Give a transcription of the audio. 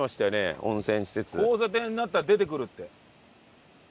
交差点になったら出てくるって。